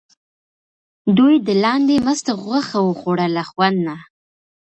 دوی د لاندي مسته غوښه وخوړه له خوند نه.